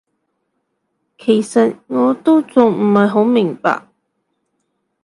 其實我都仲唔係好明白